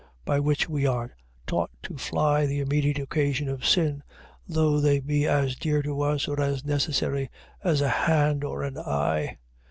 By which we are taught to fly the immediate occasions of sin, though they be as dear to us, or as necessary as a hand or an eye.